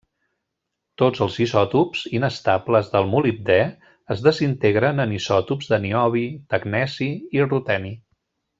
Tots els isòtops inestables del molibdè es desintegren en isòtops de niobi, tecneci i ruteni.